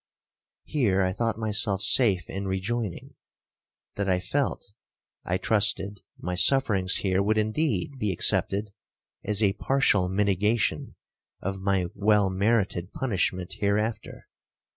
Here I thought myself safe in rejoining, that I felt,—I trusted, my sufferings here would indeed be accepted as a partial mitigation of my well merited punishment hereafter.